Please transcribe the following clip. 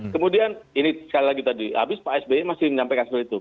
kemudian ini sekali lagi tadi habis pak sby masih menyampaikan seperti itu